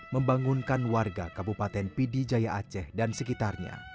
membangunkan warga kabupaten pidijaya aceh dan sekitarnya